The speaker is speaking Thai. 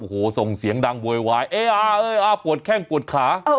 โอ้โหส่งเสียงดังโวยวายปวดแข้งปวดขา